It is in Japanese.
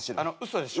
嘘でしょ？